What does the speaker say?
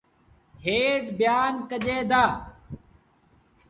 هيٺ بيآن ڪجين دآ۔